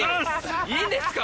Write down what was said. いいんですか